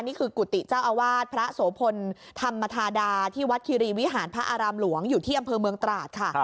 กุฏิเจ้าอาวาสพระโสพลธรรมธาดาที่วัดคิรีวิหารพระอารามหลวงอยู่ที่อำเภอเมืองตราดค่ะ